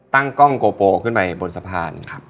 ตั้งกล้องโกโปขึ้นไปบนสะพาน